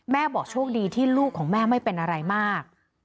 บอกโชคดีที่ลูกของแม่ไม่เป็นอะไรมาก